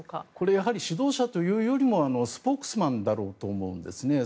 やはり指導者というよりもスポークスマンだろうと思うんですね。